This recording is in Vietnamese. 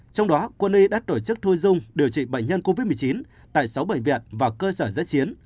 trong đó quân y đã tổ chức thu dung điều trị bệnh nhân covid một mươi chín tại sáu bệnh viện và cơ sở giã chiến